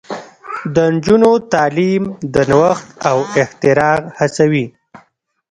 د نجونو تعلیم د نوښت او اختراع هڅوي.